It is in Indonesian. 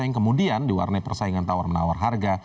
yang kemudian diwarnai persaingan tawar menawar harga